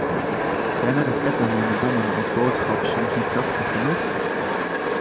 Zijn de raketten en de bommen als boodschap soms niet krachtig genoeg?